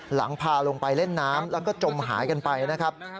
หลังพาลงไปเล่นน้ำแล้วก็จมหายกันไปนะครับ